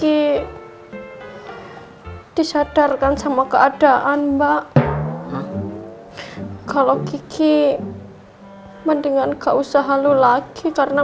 hai disadarkan sama keadaan mbak kalau kiki mendingan kau usaha lu lagi karena